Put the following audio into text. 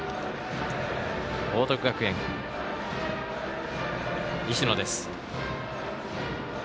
報徳学園、石野です。